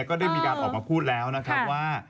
ก็ได้มีการออกมาพูดแล้วนะครับว่า